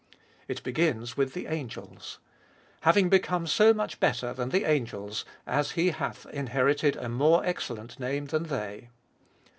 It begins with the angels. Having become so much better l than the angels, as He hath inherited a more excellent name than they.